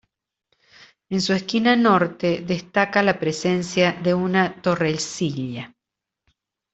En su esquina norte destaca la presencia de una torrecilla.